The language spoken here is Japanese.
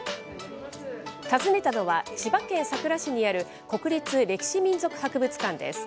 訪ねたのは、千葉県佐倉市にある国立歴史民俗博物館です。